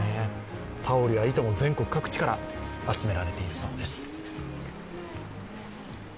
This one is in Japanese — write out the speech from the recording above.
タオルや糸も全国各地から集められているそうです。